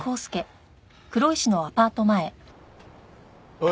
おい。